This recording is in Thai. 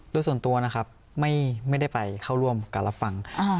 ด้วยส่วนตัวนะครับไม่ได้ไปเข้าร่วมกรรมนาธิการรับฟัง